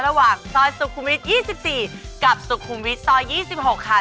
ระหว่างซอยสุขุมวิท๒๔กับสุขุมวิทย์ซอย๒๖ค่ะ